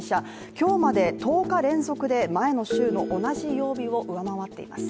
今日まで１０日連続で前の週の同じ曜日を上回っています。